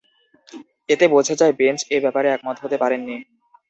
এতে বোঝা যায়, বেঞ্চ এ ব্যাপারে একমত হতে পারেননি।